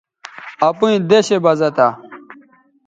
اپئیں دیشےبزہ تھہ